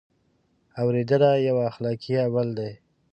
اورېدنه یو اخلاقي عمل دی.